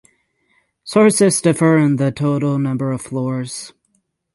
Sources differ on the total number of floors.